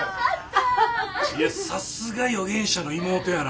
さすが予言者の妹やな。